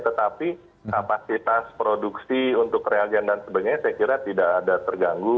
tetapi kapasitas produksi untuk reagen dan sebagainya saya kira tidak ada terganggu